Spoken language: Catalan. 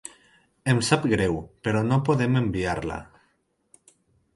Em sap greu, però no podem enviar-la.